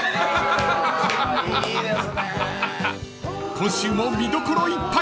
［今週も見どころいっぱい］